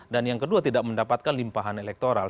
dan yang kedua tidak mendapatkan limpahan elektoral